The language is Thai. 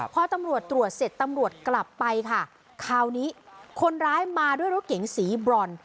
พอตำรวจตรวจเสร็จตำรวจกลับไปค่ะคราวนี้คนร้ายมาด้วยรถเก๋งสีบรอน